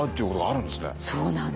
そうなんですね。